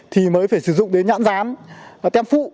thì mới phải sử dụng đến nhãn rán và tem phụ